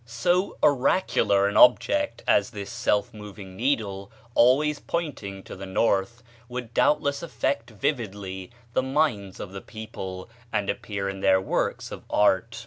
So "oracular" an object as this self moving needle, always pointing to the north, would doubtless affect vividly the minds of the people, and appear in their works of art.